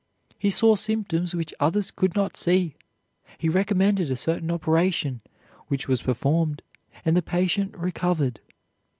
He saw symptoms which others could not see. He recommended a certain operation, which was performed, and the patient recovered.